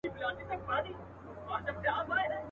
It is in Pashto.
او قریب دي د رقیب د کور سړی سي.